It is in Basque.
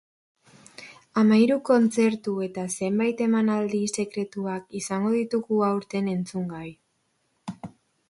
Hamahiru kontzertu eta zenbait emanaldi sekretuak izango ditugu aurten entzungai.